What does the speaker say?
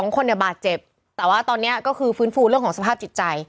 คนเนี่ยบาดเจ็บแต่ว่าตอนนี้ก็คือฟื้นฟูเรื่องของสภาพจิตใจ